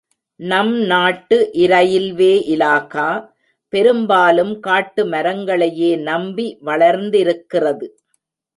நம் நாட்டு இரயில்வே இலாகா, பெரும்பாலும் காட்டு மரங்களையே நம்பி வளர்ந்திருக்கிறது.